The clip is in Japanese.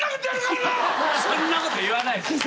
そんなこと言わないでしょ。